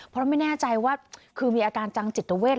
เพราะไม่แน่ใจว่าคือมีอาการจังจิตเวท